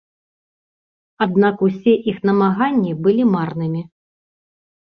Аднак усе іх намаганні былі марнымі.